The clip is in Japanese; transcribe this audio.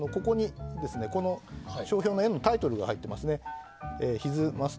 商標のタイトルが入っていますよね。